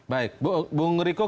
baik bu ngeriko